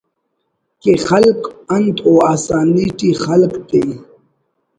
کہ خلک انت او آسانی ٹی خلک تے